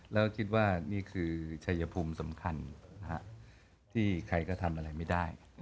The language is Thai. แล้วคิดว่านี่คือชัยภูมิสำคัญที่ใครก็ทำอะไรไม่ได้